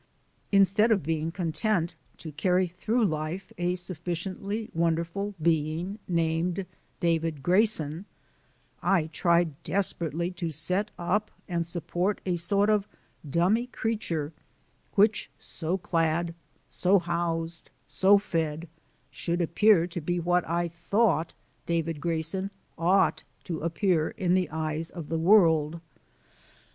Instead of being content to carry through life a sufficiently wonderful being named David Grayson I tried desperately to set up and support a sort of dummy creature which, so clad, so housed, so fed, should appear to be what I thought David Grayson ought to appear in the eyes of the world.